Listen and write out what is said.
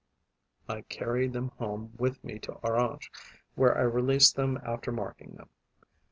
I carry them home with me to Orange, where I release them after marking them.